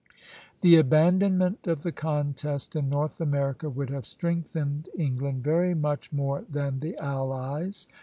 The abandonment of the contest in North America would have strengthened England very much more than the allies.